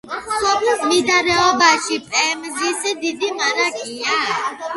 სოფლის მიდამოებშია პემზის დიდი მარაგი.